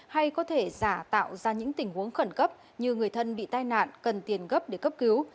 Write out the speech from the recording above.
hay có thể giả tạo ra những tình huống khẩn cấp như người thân bị tai nạn cần tiền gấp để cấp cứu